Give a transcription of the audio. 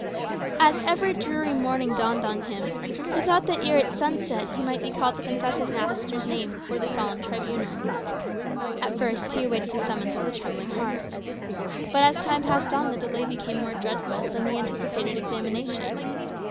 As every dreary morning dawned upon him, he thought that ere its sun set he might be called to confess his Master's name before the solemn tribunal. At first he awaited the summons with a trembling heart. But as time passed on, the delay became more dreadful than the anticipated examination.